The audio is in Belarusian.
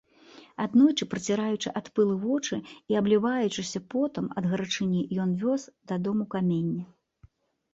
Аднойчы, праціраючы ад пылу вочы і абліваючыся потам ад гарачыні, ён вёз дадому каменне.